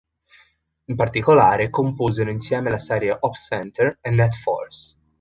In particolare composero insieme le serie Op-Center e Net Force.